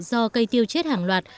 do cây tiêu chết hàng loạt